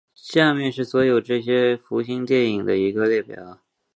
下面是所有这些福星电影的一个列表。